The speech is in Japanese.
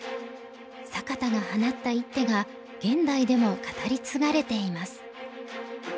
坂田が放った一手が現代でも語り継がれています。